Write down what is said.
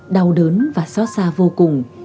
đau đớn và xót xa vô cùng